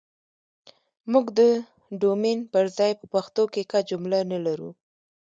موږ ده ډومين پر ځاى په پښتو کې که جمله نه لرو